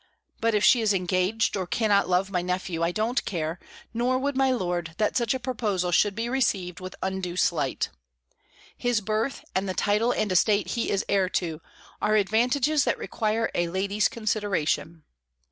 But if she is engaged, or cannot love my nephew, I don't care, nor would my lord, that such a proposal should be received with undue slight. His birth, and the title and estate he is heir to, are advantages that require a lady's consideration.